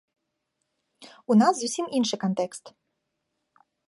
У нас зусім іншы кантэкст.